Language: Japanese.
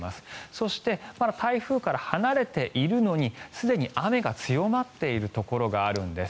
そしてまだ台風から離れているのにすでに雨が強まっているところがあるんです。